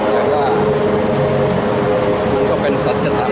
แต่ว่ามันก็เป็นสัจธรรม